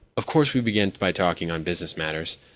Of course, we began by talking on business matters.